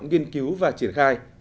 nghiên cứu và triển khai